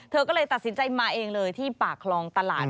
เธอก็เลยตัดสินใจมาเองเลยที่ปากคลองตลาด